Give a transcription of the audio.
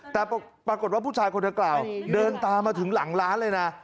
แต่ปรากฏว่าผู้ชายคนดังกล่าวเดินตามมาถึงหลังร้านเลยนะ